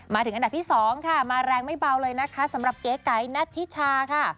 มาถึงอันดับที่๒ค่ะมาแรงไม่เบาเลยนะคะสำหรับเก๋ไกนัทธิชาค่ะ